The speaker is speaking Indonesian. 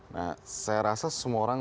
nah saya rasa semua orang